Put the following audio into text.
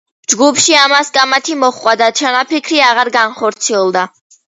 ჯგუფში ამას კამათი მოჰყვა და ჩანაფიქრი აღარ განხორციელდა.